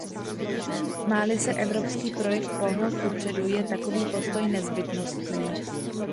Má-li se evropský projekt pohnout kupředu, je takový postoj nezbytností.